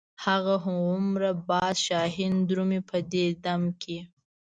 هغه هومره باز شاهین درومي په دم کې.